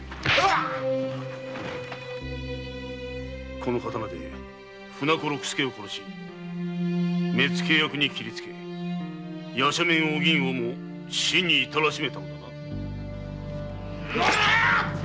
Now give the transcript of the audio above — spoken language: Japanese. この刀で船子・六助を殺し目付役に斬りつけ夜叉面お銀をも死にいたらしめたのだな。